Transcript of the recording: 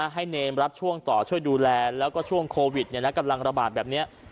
เนมรับช่วงต่อช่วยดูแลแล้วก็ช่วงโควิดกำลังระบาดแบบนี้